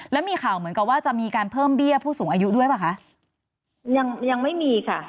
แล้วมีข่าวเหมือนกับว่าจะมีการเพิ่มเบี้ยผู้สูงอายุด้วยป่ะคะยังยังไม่มีค่ะ